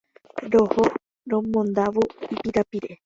Roho romondávo ipirapire.